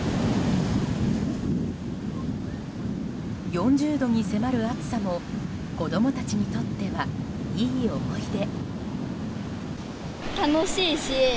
４０度に迫る暑さも子供たちにとってはいい思い出。